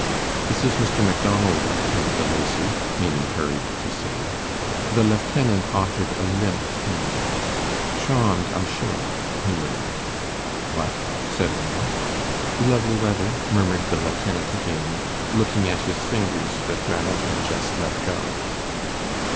"This is Mr. Macdonald, Lieutenant De Lacy," Maimie hurried to say. The lieutenant offered a limp hand. "Chawmed, I'm suah," he murmured. "What?" said Ranald. "Lovely weather," murmured the lieutenant again, looking at his fingers that Ranald had just let go.